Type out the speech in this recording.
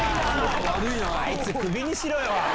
あいつクビにしろよ！